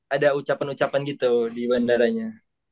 ada ucapan ucapan gitu di bandaranya